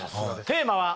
テーマは。